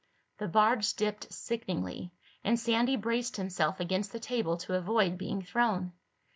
The barge dipped sickeningly and Sandy braced himself against the table to avoid being thrown.